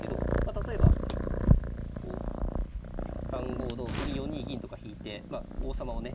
例えばこう３五同歩に４二銀とか引いて王様をね